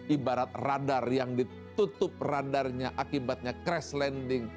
ibarat radar yang ditutup radarnya akibatnya crash landing